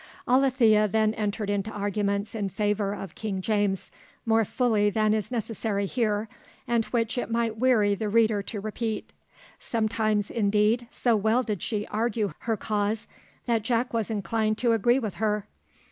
Alethea then entered into arguments in favour of King James, more fully than is necessary here, and which it might weary the reader to repeat. Sometimes, indeed, so well did she argue her cause, that Jack was inclined to agree with her.